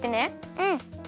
うん。